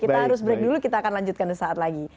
kita harus berangkat dulu kita akan lanjutkan di saat lagi